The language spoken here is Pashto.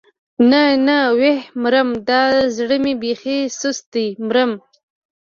نه نه ويح مرم دا زړه مې بېخي سست دی مرم.